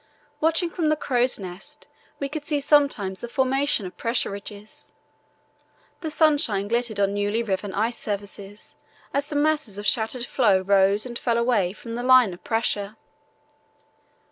Watching from the crow's nest, we could see sometimes the formation of pressure ridges. The sunshine glittered on newly riven ice surfaces as the masses of shattered floe rose and fell away from the line of pressure.